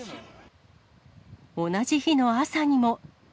同じ日の朝にも。